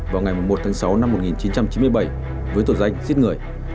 vào ngày một mươi một tháng sáu năm một nghìn chín trăm chín mươi bảy với tổn danh giết người